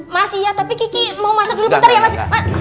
mas iya tapi gigi mau masak dulu sebentar ya mas